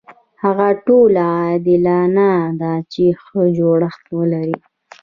هغه ټولنه عادلانه ده چې ښه جوړښت ولري.